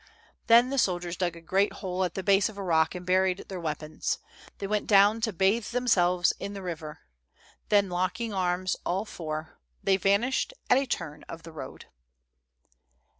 Then, the soldiers dug a great hole at the base of a rock and buried their weapons. They went down to bathe themselves in the river; then, locking arms all four, they vanished at a turn of the road.